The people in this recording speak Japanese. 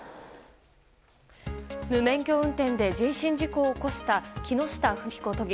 無免許運転で人身事故を起こした木下富美子都議。